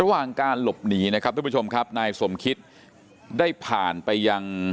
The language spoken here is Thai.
ระหว่างการหลบหนีนะครับทุกผู้ชมครับนายสมคิตได้ผ่านไปยัง